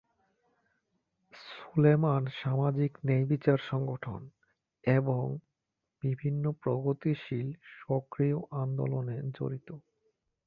সুলেমান সামাজিক ন্যায়বিচার সংগঠন এবং বিভিন্ন প্রগতিশীল সক্রিয় আন্দোলনে জড়িত।